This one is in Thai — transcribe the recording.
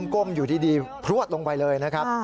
ก้มอยู่ดีพลวดลงไปเลยนะครับ